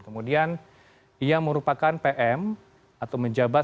kemudian ia merupakan pm atau menjabat